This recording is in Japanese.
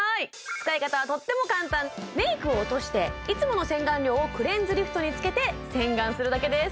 使い方はとっても簡単メイクを落としていつもの洗顔料をクレンズリフトにつけて洗顔するだけです